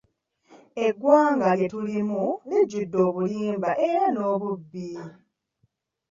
Eggwanga lye tulimu lijjudde obulimba era n'obubbi.